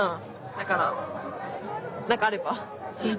だから何かあれば。